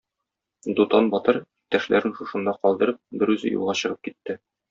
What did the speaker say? Дутан батыр, иптәшләрен шушында калдырып, берүзе юлга чыгып китте.